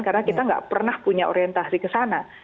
karena kita nggak pernah punya orientasi ke sana